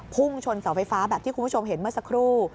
พุ่งชนเสาไฟฟ้าแบบที่คุณผู้ชมเห็นเมื่อสักครู่